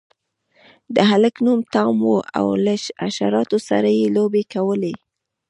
د هلک نوم ټام و او له حشراتو سره یې لوبې کولې.